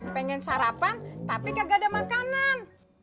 pengen sarapan tapi gak ada makanan